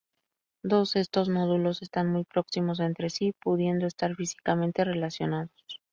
Dos de estos nódulos están muy próximos entre sí, pudiendo estar físicamente relacionados.